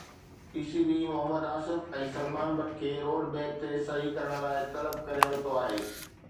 P C B Muhammad Asif ۽ Salman Butt کي road map تي صحيح ڪرڻ لاءِ طلب ڪري ورتو آهي